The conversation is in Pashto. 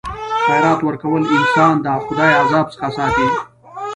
خیرات ورکول انسان د خدای د عذاب څخه ساتي.